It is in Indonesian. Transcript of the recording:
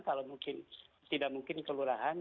kalau mungkin tidak mungkin ke lurahan